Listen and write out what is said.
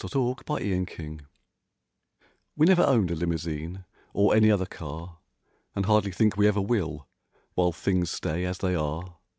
AUTO "FILOSOFY" We never owned a limosine or any other car. And hardly think we ever will, while things stay as they are.